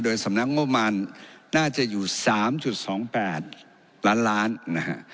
สำนักงบมารน่าจะอยู่๓๒๘ล้านล้านนะฮะ